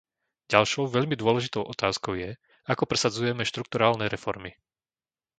Ďalšou veľmi dôležitou otázkou je, ako presadzujeme štrukturálne reformy?